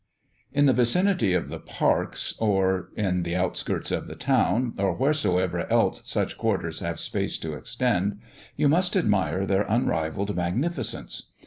In the vicinity of the Parks, or in the outskirts of the town, or wheresoever else such quarters have space to extend, you must admire their unrivalled magnificence.